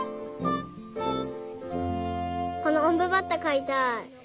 このおんぶバッタかいたい。